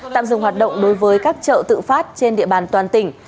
tạm dừng hoạt động đối với các chợ tự phát trên địa bàn toàn tỉnh